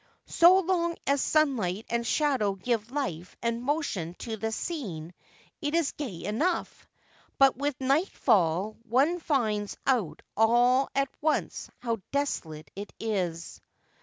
So long as sunlight and shadow give life and motion to the scene it is gay enough ; but with nightfall one finds out all at once how desolate it is.'